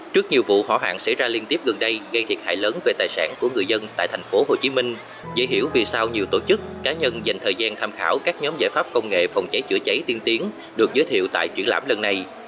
trước nhiều vụ hỏa hoạn xảy ra liên tiếp gần đây gây thiệt hại lớn về tài sản của người dân tại tp hcm dễ hiểu vì sao nhiều tổ chức cá nhân dành thời gian tham khảo các nhóm giải pháp công nghệ phòng cháy chữa cháy tiên tiến được giới thiệu tại triển lãm lần này